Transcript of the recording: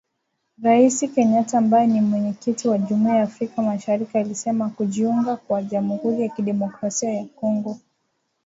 Rais Kenyatta ambaye ni Mwenyekiti wa Jumuiya ya Afrika Mashariki alisema kujiunga kwa Jamhuri ya kidemokrasia ya Kongo.